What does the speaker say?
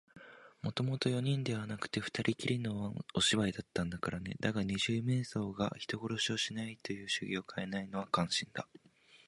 もともと四人ではなくて、ふたりきりのお芝居だったんだからね。だが、二十面相が人殺しをしないという主義をかえないのは感心だ。